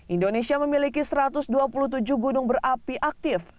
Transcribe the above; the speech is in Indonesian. indonesia memiliki satu ratus dua puluh tujuh gunung berapi aktif